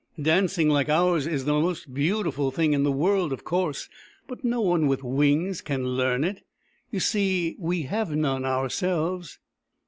" Dancing like ours is the most beautiful thing in the world, of course. But no one with wings can learn it. You see, we have none ourselves."